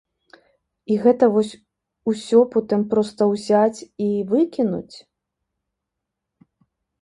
І гэта вось усё потым проста ўзяць і выкінуць?